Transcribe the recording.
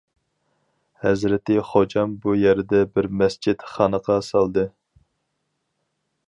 ھەزرىتى خوجام بۇ يەردە بىر مەسچىت-خانىقا سالدى.